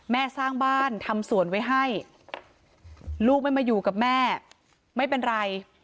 สร้างบ้านทำสวนไว้ให้ลูกไม่มาอยู่กับแม่ไม่เป็นไร